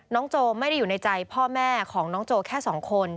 โจไม่ได้อยู่ในใจพ่อแม่ของน้องโจแค่สองคน